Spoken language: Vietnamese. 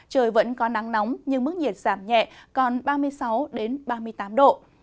trời vẫn có nắng nóng nhưng mức nhiệt giảm nhẹ còn ba mươi sáu ba mươi tám độ